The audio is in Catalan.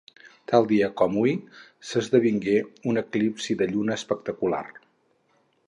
Tal dia com hui, s'esdevingué un eclipsi de lluna espectacular.